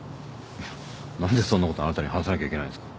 いや何でそんなことあなたに話さなきゃいけないんすか。